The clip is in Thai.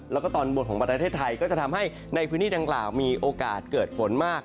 แล้วก็ตอนบนของประเทศไทยก็จะทำให้ในพื้นที่ดังกล่าวมีโอกาสเกิดฝนมาก